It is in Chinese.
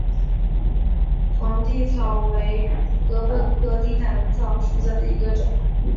帝皇草为禾本科地毯草属下的一个种。